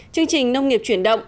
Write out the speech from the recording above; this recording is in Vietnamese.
chương trình nông nghiệp chuyển động